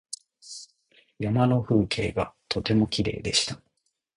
山の風景がとてもきれいでした。